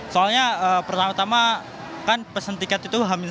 soalnya pertama tama kan pesen tiket itu hamil